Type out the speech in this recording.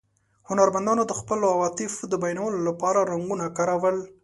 هنرمندانو د خپلو عواطفو د بیانولو له پاره رنګونه کارول.